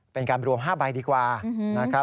เป็นการรวม๕ใบดีกว่า